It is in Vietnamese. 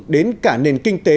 đến cả nền kinh tế